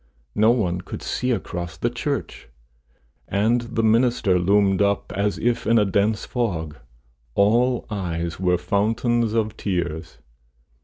No one could see across the church, and the minister loomed up, as if in a dense fog; all eyes were fountains of tears.